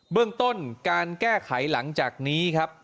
เรื่องต้นการแก้ไขหลังจากนี้ครับ